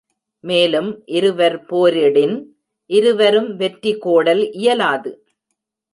மேலும் இருவர் போரிடின், இருவரும் வெற்றி கோடல் இயலாது.